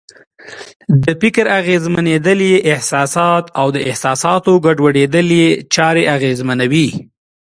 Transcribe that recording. د فکر اغېزمنېدل یې احساسات او د احساساتو ګډوډېدل یې چارې اغېزمنوي.